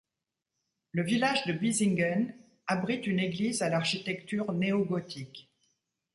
Le village de Biesingen abrite une église à l'architecture néogothique.